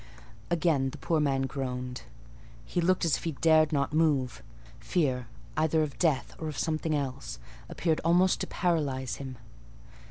Again the poor man groaned; he looked as if he dared not move; fear, either of death or of something else, appeared almost to paralyse him.